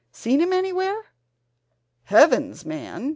Seen him anywhere?" "Heavens, man!